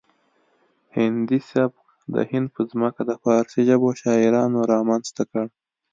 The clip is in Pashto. هندي سبک د هند په ځمکه د فارسي ژبو شاعرانو رامنځته کړ